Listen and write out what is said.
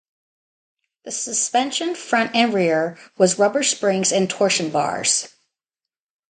The suspension, front and rear, was rubber "springs" and torsion bars.